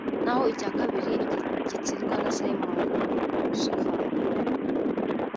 naho icya kabiri gitsindwa na Simon Msuva